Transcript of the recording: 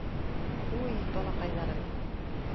— Уй-й, балаҡайҙарым.